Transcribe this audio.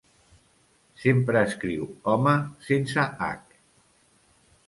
Sempre escriu 'home' sense 'hac'.